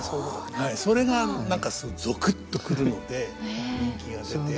それが何かすごくゾクッと来るので人気が出て。